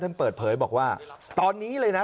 เปิดเผยบอกว่าตอนนี้เลยนะ